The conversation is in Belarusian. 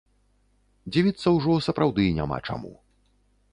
Дзівіцца ўжо сапраўды няма чаму.